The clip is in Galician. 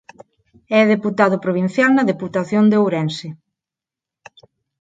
É deputado provincial na Deputación de Ourense.